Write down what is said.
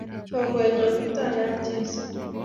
Choruennyo Kiptaiyat Jesu